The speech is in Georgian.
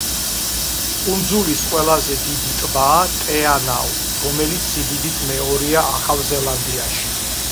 კუნძულის ყველაზე დიდი ტბაა ტე-ანაუ, რომელიც სიდიდით მეორეა ახალ ზელანდიაში.